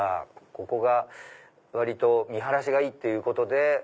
ここが割と見晴らしがいいっていうことで。